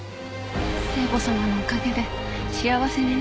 聖母様のおかげで幸せになりました。